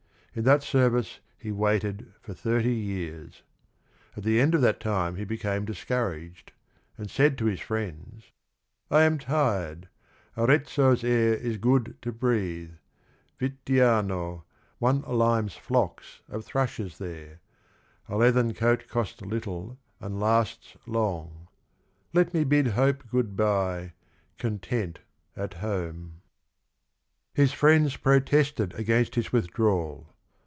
In that service he waited for thirty years. At the end of that time he became discouraged, and said to his friends :—" 'I am tired: Arezzo 's air is good to breathe; Vittiano, — one limes flocks of thrushes there; A leathern coat costs little and lasts long : Let me bid hope good bye, content at home !'" His friends protested against his withdrawal.